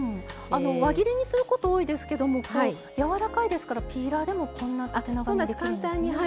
輪切りにすること多いですけどもこうやわらかいですからピーラーでもこんな縦長にできるんですね。